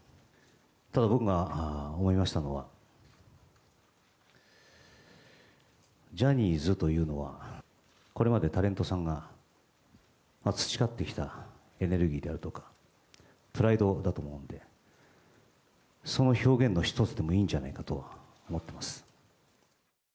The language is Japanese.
ただ僕が思いましたのは、ジャニーズというのは、これまでタレントさんが培ってきたエネルギーであるとか、プライドだと思うんで、その表現の一つでもいいんじゃないかと思ってます。